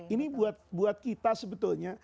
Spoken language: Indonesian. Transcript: ini buat kita sebetulnya